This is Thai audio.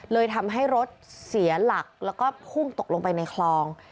เลยทำให้รถเสียหลักแล้วก็พุ่งตกลงไปในคลอง